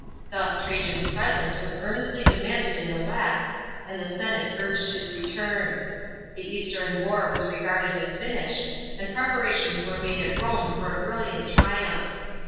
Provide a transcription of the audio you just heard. Thus Traian's presence wa,s earnestly demanded in the west, and the sennte uned his return, The eastern war was regarded as finished, and preparations were made at Rome for a brilliant triumph.